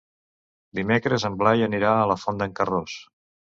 Dimecres en Blai anirà a la Font d'en Carròs.